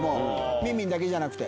みんみんだけじゃなくて。